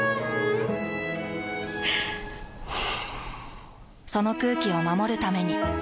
ふぅその空気を守るために。